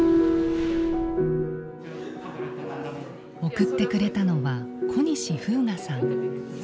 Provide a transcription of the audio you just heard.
送ってくれたのは小西風冴さん。